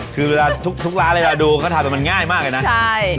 คือทุกร้านที่เราดูก็ทำมันง่ายมากเลยนะ